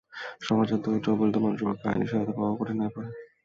সমাজের দরিদ্র, অবহেলিত মানুষের পক্ষে আইনি সহায়তা পাওয়াও কঠিন হয়ে পড়ে।